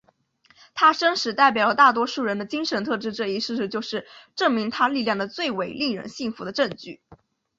他真实代表了大多数人的精神特质这一事实就是证明他力量的最为令人信服的证据。